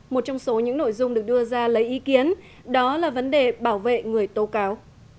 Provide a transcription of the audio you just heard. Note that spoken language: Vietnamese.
một trong số những nội dung được đưa ra lấy ý kiến đó là vấn đề bảo vệ người tố cáo